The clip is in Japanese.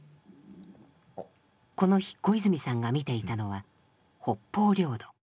この日小泉さんが見ていたのは北方領土。